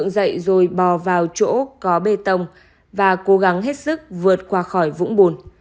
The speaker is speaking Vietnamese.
dậy rồi bò vào chỗ có bê tông và cố gắng hết sức vượt qua khỏi vũng bùn